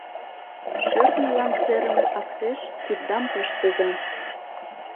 Шӧртньылан серыме актеш киддам пыштыза.